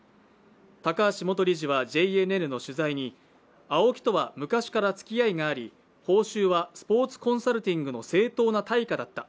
高橋元理事はＪＮＮの取材に「ＡＯＫＩとは昔からつきあいがあり、報酬はスポーツコンサルティングの正当な対価だった」